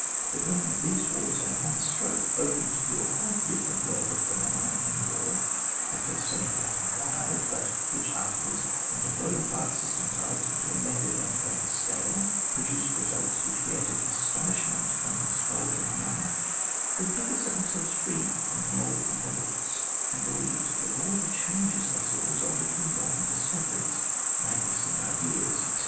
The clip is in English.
But when these wars at one stroke opened to view a quite different world of phenomena in war, at flrst somewhat rough and wild, but which afterwards, under Buonaparte systematised into a method on a grand scale, produced results which created astonishment amongst old and young, then people set themselves free from the old models, and believed that all the changes they saw resulted from modem discoveries, magnificent ideas, etc.